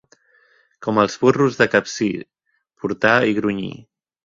Com els burros de Capcir: portar i grunyir.